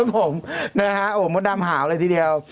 ครับผมโอ๊ยมดดำหาวเลยทีเดียว